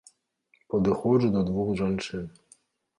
Падыходжу да двух жанчын.